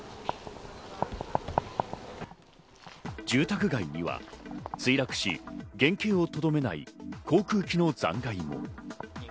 住宅街には墜落し、原型をとどめない航空機の残骸も。